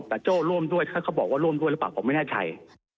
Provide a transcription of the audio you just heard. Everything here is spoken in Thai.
แต่โจ้ร่วมด้วยถ้าเขาบอกว่าร่วมด้วยหรือเปล่าผมไม่แน่ใจ